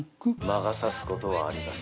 魔が差すことはあります